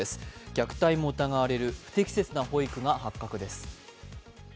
虐待も疑われる不適切な保育が発覚です。